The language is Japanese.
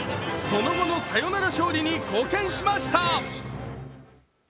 その後のサヨナラ勝利に貢献しました。